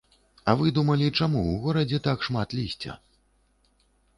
А вы думалі, чаму ў горадзе так шмат лісця?